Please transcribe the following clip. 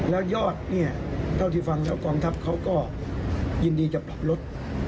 และยอดเท่าที่ฟังกองทัพเขาก็ยินดีจะปรับรถ